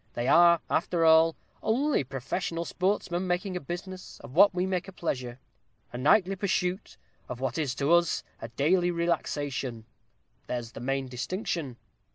They are, after all, only professional sportsmen, making a business of what we make a pleasure; a nightly pursuit of what is to us a daily relaxation; there's the main distinction.